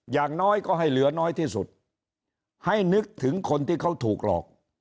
อย่างน้อยก็ให้เหลือน้อยที่สุดให้นึกถึงคนที่เขาถูกหลอก